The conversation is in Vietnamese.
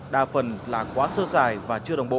đa phần là quá sơ sài và chưa đồng bộ